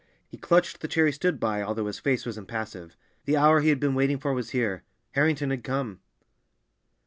He clutched the chair he stood by, although his face was impassive. The hour he had been waiting for was here—Harrington had come.